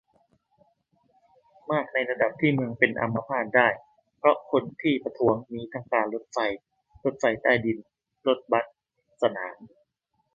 มากในระดับที่เมืองเป็นอัมพาตได้ เพราะคนที่ประท้วงมีทั้งการรถไฟ รถไฟใต้ดิน รถบัส สนาม